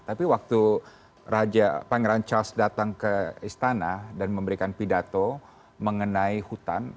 tapi waktu raja pangeran charles datang ke istana dan memberikan pidato mengenai hutan